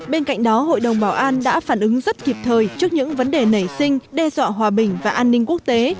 bên cạnh đó hội đồng bảo an đã phản ứng rất kịp thời trước những vấn đề nảy sinh đe dọa hòa bình và an ninh quốc tế